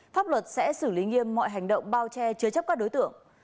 pháp luật sẽ xử lý nghiêm mọi hành động bao che chứa chấp các đối tượng